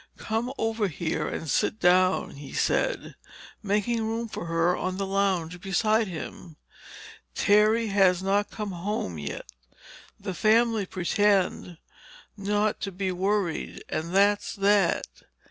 "Come over here and sit down," he said, making room for her on the lounge beside him. "Terry has not come home yet. The family pretend not to be worried—and that's that.